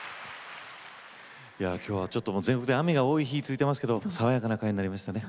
きょうは、ちょっと雨が多い日が続いていますけど爽やかな回になりましたね。